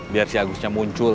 biar si agusnya muncul